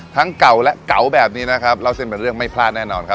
เก่าและเก่าแบบนี้นะครับเล่าเส้นเป็นเรื่องไม่พลาดแน่นอนครับ